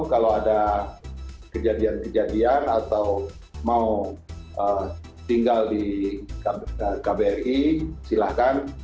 kalau ada kejadian kejadian atau mau tinggal di kbri silahkan